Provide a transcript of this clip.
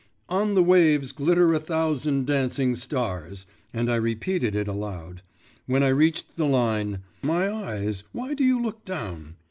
'On the waves glitter a thousand dancing stars,' and I repeated it aloud. When I reached the line: 'My eyes, why do you look down?